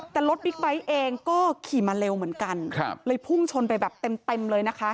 แต่รถบิ๊กไบท์เองก็ขี่มาเร็วเหมือนกันเลยพุ่งชนไปแบบเต็มเลยนะคะ